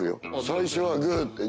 最初はグーって。